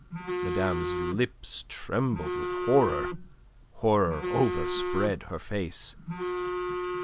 Madame's lips trembled with horror. Horror overspread her face.